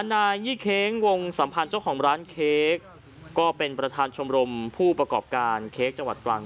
นายยี่เค้งวงสัมพันธ์เจ้าของร้านเค้กก็เป็นประธานชมรมผู้ประกอบการเค้กจังหวัดตรัง